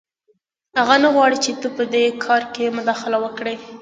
هغه نه غواړي چې ته په دې کار کې مداخله وکړې